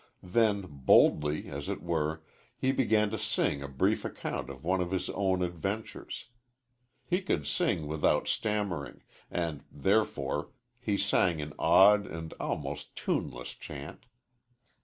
Then, boldly, as it were, he began to sing a brief account of one of his own adventures. He could sing without stammering, and therefore he sang an odd and almost tuneless chant.